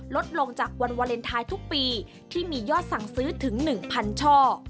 ลดลงจากวันวาเลนไทยทุกปีที่มียอดสั่งซื้อถึง๑๐๐ช่อ